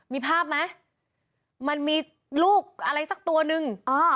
มีภาพไหมมันมีลูกอะไรสักตัวนึง